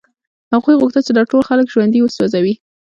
هغوی غوښتل چې دا ټول خلک ژوندي وسوځوي